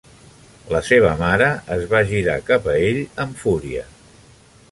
La seva mare es va girar cap a ell amb fúria.